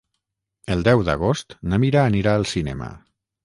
El deu d'agost na Mira anirà al cinema.